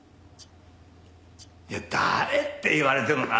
いや誰って言われてもな。